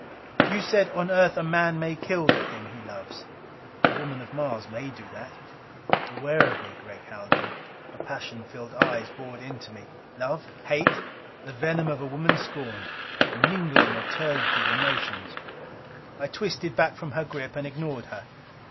You said, 'On Earth a man may kill the thing he loves.' A woman of Mars may do that! Beware of me, Gregg Haljan." Her passion filled eyes bored into me. Love? Hate? The venom of a woman scorned a mingling of turgid emotions.... I twisted back from her grip and ignored her.